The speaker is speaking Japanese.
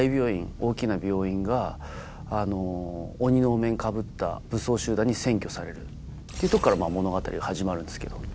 大きな病院が鬼のお面かぶった武装集団に占拠されるっていうとこから物語が始まるんですけど。